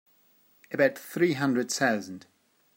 About three hundred thousand.